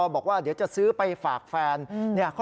บอกว่าเดี๋ยวจะซื้อไปฝากแฟน